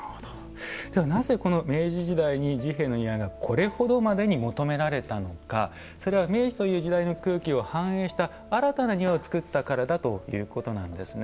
では、なぜ明治時代に治兵衛の庭がこれほどまでに求められたのかそれは明治という時代の空気を反映した新たな庭を造ったからだということなんですね。